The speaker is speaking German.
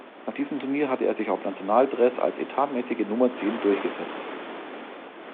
Nach diesem Turnier hatte er sich auch im Nationaldress als etatmäßige Nummer Zehn durchgesetzt.